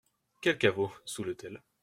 Quel caveau ? Sous l'autel.